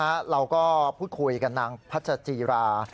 เราก็พูดคุยกับนางพัชจีรา